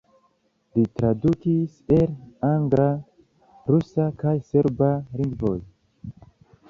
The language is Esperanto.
Li tradukis el angla, rusa kaj serba lingvoj.